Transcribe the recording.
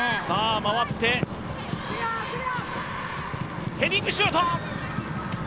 回ってヘディングシュート！